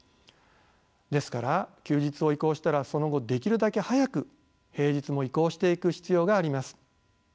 ですから休日を移行したらその後できるだけ早く平日も移行していく必要があります。